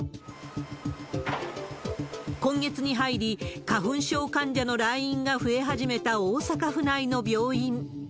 今月に入り、花粉症患者の来院が増え始めた大阪府内の病院。